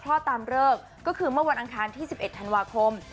อดตามเลิกก็คือเมื่อวันอังคารที่๑๑ธันวาคม